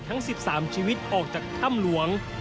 ทั้ง๑๓ชีวิตออกจากถ้ำหลวง